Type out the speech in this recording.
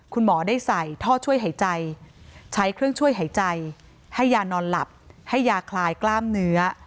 คุณหมอได้ใส่ท่อช่วยหายใจใช้เครื่องช่วยหายใจให้ยานอนหลับให้ยาคลายกล้ามเนื้อ